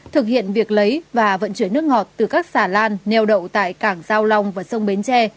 thực hiện việc lấy và vận chuyển nước ngọt từ các xà lan neo đậu tại cảng giao long và sông bến tre